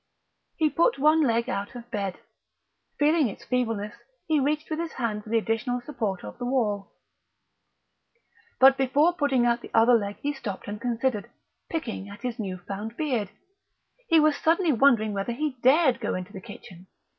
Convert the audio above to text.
He put one leg out of bed. Feeling its feebleness, he reached with his hand for the additional support of the wall.... But before putting out the other leg he stopped and considered, picking at his new found beard. He was suddenly wondering whether he dared go into the kitchen.